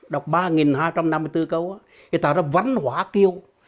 đọc ba hai trăm năm mươi bốn câu thì tạo ra văn hóa kiều